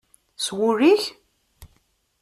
S wul-ik?